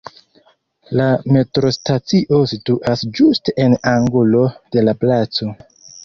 La metrostacio situas ĝuste en angulo de la placo.